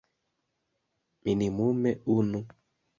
Minimume unu.